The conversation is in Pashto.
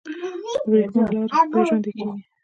د وریښمو لاره بیا ژوندی کیږي؟